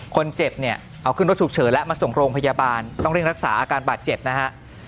คนเจ็บเนี่ยเอาขึ้นรถฉุกเฉินแล้วมาส่งโรงพยาบาลต้องเร่งรักษาอาการบาดเจ็บนะฮะ